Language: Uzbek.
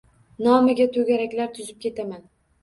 Nomiga to‘garaklar tuzib ketaman.